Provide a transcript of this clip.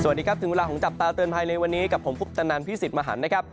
สวัสดีครับถึงเวลาของกับพุทธนันพิศีษมาหัน